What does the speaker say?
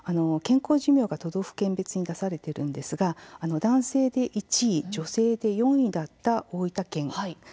健康寿命が都道府県別に出されているんですが男性で１位女性で４位だった大分県。